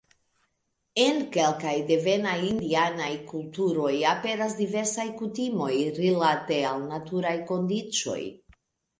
En kelkaj devenaj indianaj kulturoj aperas diversaj kutimoj rilate al naturaj kondiĉoj.